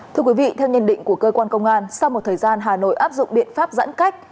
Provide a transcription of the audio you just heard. thưa quý vị theo nhận định của cơ quan công an sau một thời gian hà nội áp dụng biện pháp giãn cách